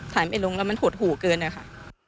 ถ่ายไม่ลงแล้วมันหุดหู่เกินเลยค่ะ